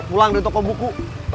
pulang dari toko buku